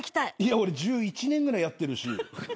いや俺１１年ぐらいやってるし。